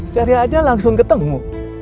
serius aja langsung ketemu